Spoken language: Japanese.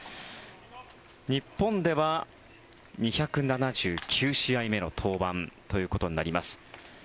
日本では２７９試合目の登板ということになります。